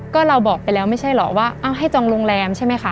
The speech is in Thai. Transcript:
ก็เราบอกไปแล้วไม่ใช่เหรอว่าเอาให้จองโรงแรมใช่ไหมคะ